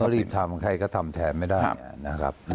รีบทำใครก็ทำแทนไม่ได้นะครับ